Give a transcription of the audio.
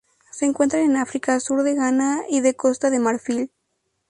Se encuentran en África: sur de Ghana y de Costa de Marfil.